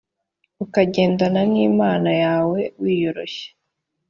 ukagendana n imana yawen wiyoroshya